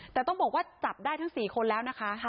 แต่ต้องบอกว่าจับได้ทั้ง๔คนแล้วนะคะ